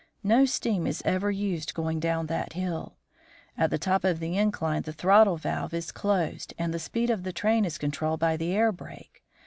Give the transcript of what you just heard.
No steam is ever used going down that hill; at the top of the incline the throttle valve is closed and the speed of the train is controlled by the air brake.